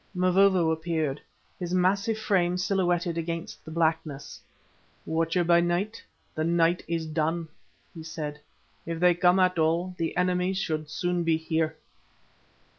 Mavovo appeared, his massive frame silhouetted against the blackness. "Watcher by Night, the night is done," he said. "If they come at all, the enemy should soon be here."